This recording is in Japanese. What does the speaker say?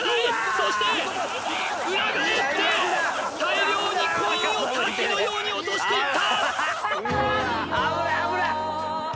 そして裏返って大量にコインを滝のように落としていった！